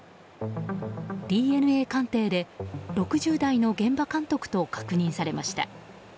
ＤＮＡ鑑定で６０代の現場監督と確認されました。